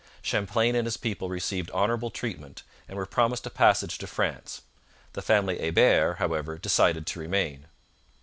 Champlain and his people received honourable treatment, and were promised a passage to France. The family Hebert, however, decided to remain.